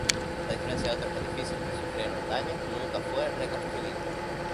A diferencia de otros edificios que sufrieron daños, nunca fue reconstruido.